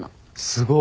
すごい。